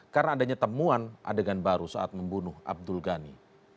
karena adanya temuan adegan baru saat membunuh abdul ghani